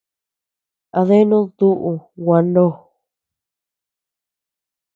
¿A denud duʼu gua ndo?